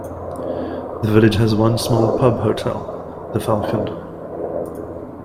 The village has one small pub-hotel, The Falcon.